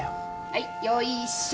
はいよいしょ。